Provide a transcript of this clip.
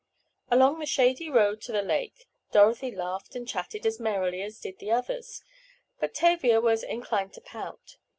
Along the shady road to the lake Dorothy laughed and chatted as merrily as did the others, but Tavia was inclined to pout.